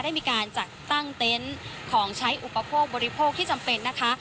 ได้มีการจัดตั้งเต็นต์ของใช้อุปโภคบริโภคที่จำเป็นนะคะ